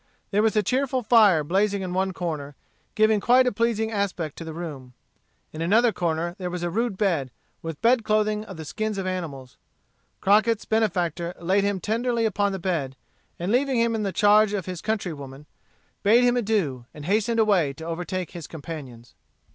There was a cheerful fire blazing in one corner, giving quite a pleasing aspect to the room. In another corner there was a rude bed, with bed clothing of the skins of animals. Crockett's benefactor laid him tenderly upon the bed, and leaving him in the charge of his countrywoman, bade him adieu, and hastened away to overtake his companions.